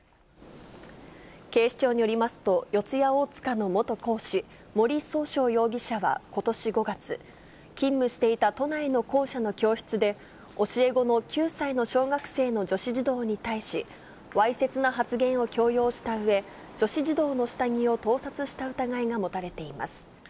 警視庁によりますと、四谷大塚の元講師、森崇翔容疑者はことし５月、勤務していた都内の校舎の教室で、教え子の９歳の小学生の女子児童に対し、わいせつな発言を強要したうえ、女子児童の下着を盗撮した疑いが持たれています。